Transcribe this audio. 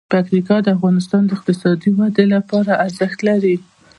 پکتیکا د افغانستان د اقتصادي ودې لپاره ارزښت لري.